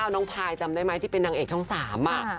น้องพายจำได้ไหมที่เป็นนางเอกช่อง๓